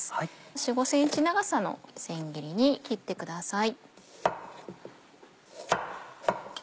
４５ｃｍ長さの千切りに切ってください。